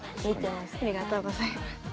ありがとうございます。